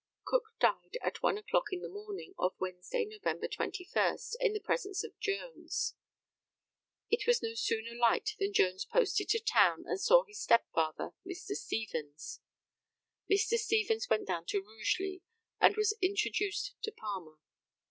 Cook died at one o'clock in the morning of Wednesday, November 21, in the presence of Jones. It was no sooner light than Jones posted to town and saw his stepfather, Mr. Stevens. Mr. Stevens went down to Rugeley and was introduced to Palmer.